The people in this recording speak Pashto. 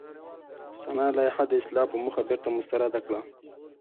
سنا لایحه د اصلاح په موخه بېرته مسترده کړه.